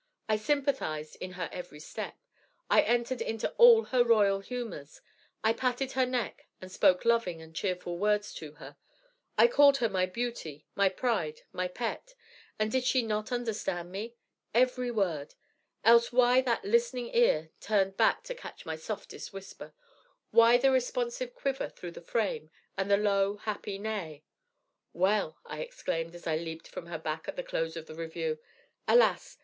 I sympathized in her every step. I entered into all her royal humors. I patted her neck and spoke loving and cheerful words to her. I called her my beauty, my pride, my pet. And did she not understand me? Every word! Else why that listening ear turned back to catch my softest whisper; why the responsive quiver through the frame, and the low, happy neigh? 'Well,' I exclaimed, as I leaped from her back at the close of the review alas!